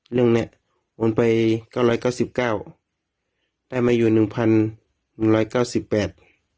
เรื่องเนี้ยโอนไปเก้าร้อยเก้าสิบเก้าได้มาอยู่หนึ่งพันหนึ่งร้อยเก้าสิบแปด